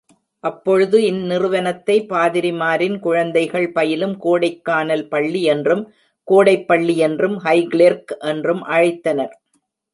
அப்பொழுது இந்நிறுவனத்தைப் பாதிரிமாரின் குழந்தைகள் பயிலும் கோடைக் கானல் பள்ளி என்றும், கோடைப்பள்ளி என்றும், ஹைகிளெர்க், என்றும் அழைத்தனர்.